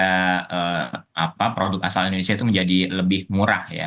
karena produk asal indonesia itu menjadi lebih murah ya